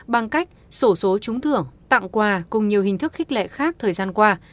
bằng cách sổ số trúng thưởng tặng quà cùng nhiều hình thức khích lệ khác thời gian qua